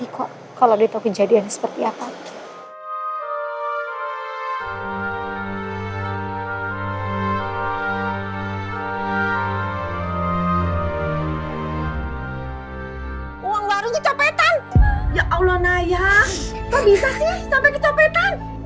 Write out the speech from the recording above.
kok bisa sih sampai kecopetan